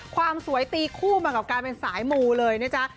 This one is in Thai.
ความสวยตีคู่มากับการเป็นสายมูเลยนะจ๊ะ